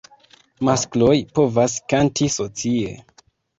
Maskloj povas kanti socie.